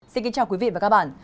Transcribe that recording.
xin kính chào quý vị và các bạn